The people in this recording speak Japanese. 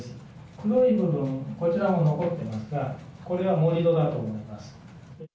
黒い部分、こちらも残っていますが、これは盛り土だと思います。